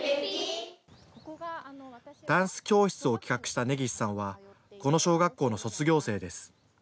ダンス教室を企画した根岸さんはこの小学校の卒業生です。